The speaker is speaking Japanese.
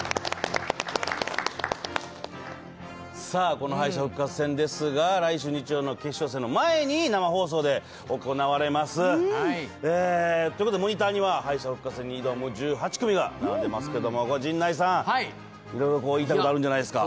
この敗者復活戦ですが、来週日曜の決勝戦の前に生放送で行われます。ということでモニターには、敗者復活戦に挑む１８組が並んでいますけども、陣内さん、いろいろ言いたいことがあるんじゃないですか。